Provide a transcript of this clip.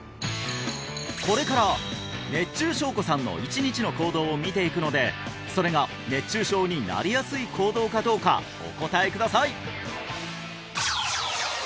これから熱中翔子さんの１日の行動を見ていくのでそれが熱中症になりやすい行動かどうかお答えください！